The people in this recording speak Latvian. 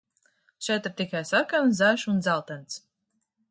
Šeit ir tikai sarkans, zaļš un dzeltens.